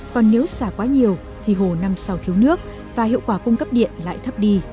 còn nếu xả quá nhiều thì hồ năm sau thiếu nước và hiệu quả cung cấp điện lại thấp đi